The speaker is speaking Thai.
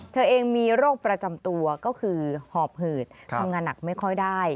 เธอเองมีโรคประจำตัวก็คือหอบหืดทำงานหนักไม่ค่อยได้